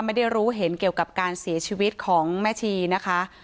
ไม่ได้รู้เห็นเกี่ยวกับการเสียชีวิตของแม่ชีนะคะ